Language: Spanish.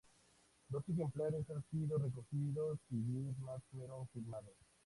Dos ejemplares han sido recogidos y diez más fueron filmados.